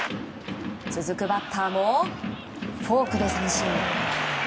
続くバッターもフォークで三振。